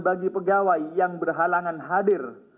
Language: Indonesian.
bagi pegawai yang berhalangan hadir